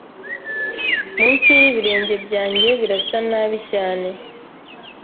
Munsi y'ibirenge byanjye birasa nabi cyane